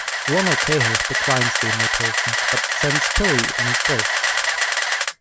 Lonokaeho declines the invitation, but sends Pili in his place.